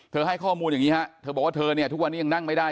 ให้ข้อมูลอย่างนี้ฮะเธอบอกว่าเธอเนี่ยทุกวันนี้ยังนั่งไม่ได้